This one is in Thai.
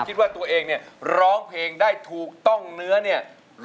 คิดว่าตัวเองเนี่ยร้องเพลงได้ถูกต้องเนื้อเนี่ย